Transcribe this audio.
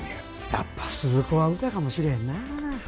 やっぱスズ子は歌かもしれへんなあ。